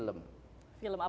film apa itu pak